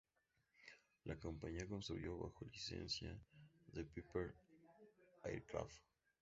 La compañía construyó bajo licencia de Piper Aircraft.